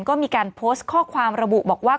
ก็มีการโพสต์ข้อความระบุบอกว่า